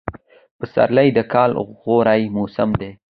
پسرلی دکال غوره موسم دی